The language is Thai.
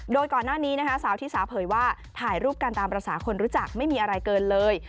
โดยก่อนหน้านี้นะคะสาวที่สาเผยว่าถ่ายรูปกันตามภาษาคนรู้จักไม่มีอะไรเกินเลย